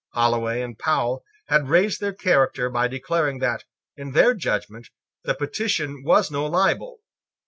Holloway and Powell had raised their character by declaring that, in their judgment, the petition was no libel.